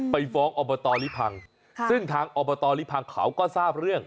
ไปฟ้องอบตลิพังซึ่งทางอบตลิพังเขาก็ทราบเรื่อง